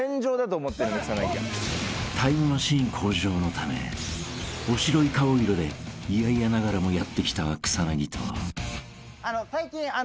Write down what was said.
［タイムマシーン向上のためおしろい顔色で嫌々ながらもやって来た草薙と］